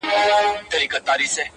ځوانان پرې بحث کوي کله-